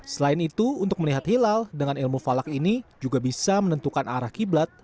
selain itu untuk melihat hilal dengan ilmu falak ini juga bisa menentukan arah qiblat